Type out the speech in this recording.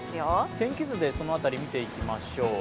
天気図でその辺り見ていきましょう。